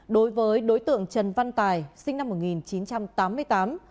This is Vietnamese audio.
đối với đối tượng trần văn tài sinh năm một nghìn chín trăm tám mươi tám